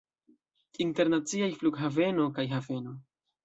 Internaciaj flughaveno kaj haveno.